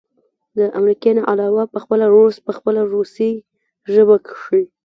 د امريکې نه علاوه پخپله روس په خپله روسۍ ژبه کښې